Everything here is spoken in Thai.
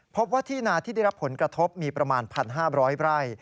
พบว่าที่นาที่ได้รับผลกระทบมีประมาณ๑๕๐๐ไร่